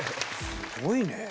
すごいね。